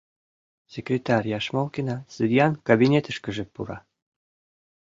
Секретарь Яшмолкина судьян кабинетышкыже пура: